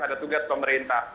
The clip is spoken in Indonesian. ada tugas pemerintah